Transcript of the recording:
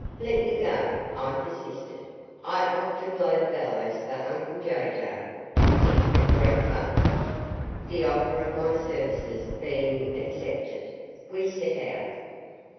"Let me go," I persisted; "I often blow the bellows for uncle Jay Jay, and think it great fun." The offer of my services being accepted, we set out.